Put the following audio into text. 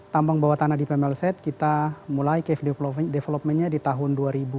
tambang bawah tanah deep mlz kita mulai cave developmentnya di tahun dua ribu lima belas